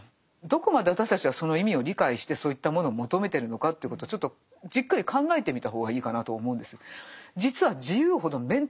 どこまで私たちはその意味を理解してそういったものを求めてるのかということをちょっとじっくり考えてみた方がいいかなと思うんです。